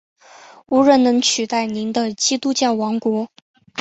无人能取代您的基督教王国！